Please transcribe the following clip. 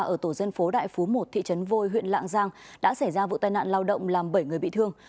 ở tổ dân phố đại phú một thị trấn vôi huyện lạng giang đã xảy ra vụ tai nạn lao động làm bảy người bị thương